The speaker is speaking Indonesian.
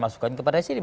masukan kepada sini